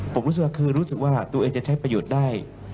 ผมรู้สึกว่าตัวเองจะใช้ประโยชน์ได้